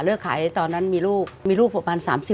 ขายตอนนั้นมีลูกมีลูกประมาณ๓๐